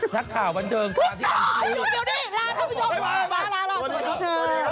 นักข่าวบันเจิงอยู่ดีร้านทางผู้ชมพว่าล้างร้านสวัสดีคุณ